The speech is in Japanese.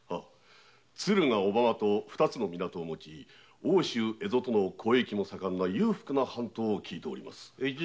敦賀・小浜と二つの港を持ち奥州・蝦夷との交易も盛んな裕福な藩と聞いています。